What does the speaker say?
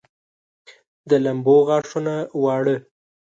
د لمبو غاښونه واړه